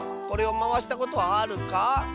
これをまわしたことはあるか？